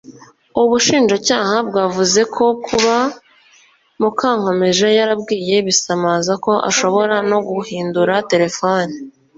Ubushinjacyaha bwavuze ko kuba Mukankomeje yarabwiye Bisamaza ko ashobora no guhindura telefoni